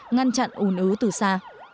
ngăn chặn ủn ứ từ xa